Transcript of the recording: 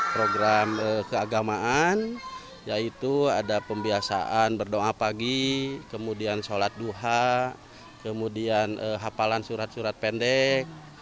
program keagamaan yaitu ada pembiasaan berdoa pagi kemudian sholat duha kemudian hafalan surat surat pendek